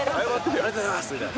ありがとうございますみたいな。